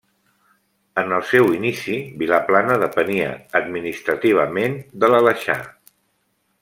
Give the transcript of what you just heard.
En el seu inici Vilaplana depenia administrativament de l'Aleixar.